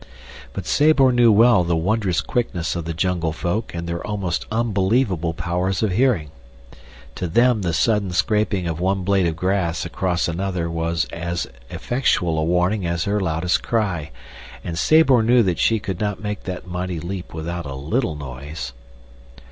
But Sabor knew well the wondrous quickness of the jungle folk and their almost unbelievable powers of hearing. To them the sudden scraping of one blade of grass across another was as effectual a warning as her loudest cry, and Sabor knew that she could not make that mighty leap without a little noise.